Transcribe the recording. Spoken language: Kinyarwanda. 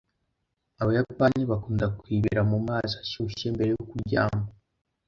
abayapani bakunda kwibira mumazi ashyushye mbere yo kuryama